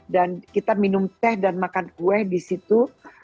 dan kita minum teh dan makan kue di situ